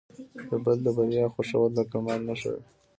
د بل د بریا خوښول د کمال نښه ده.